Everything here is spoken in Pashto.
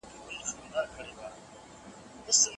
که ورزش ونه شي یاد کمزوری کېږي.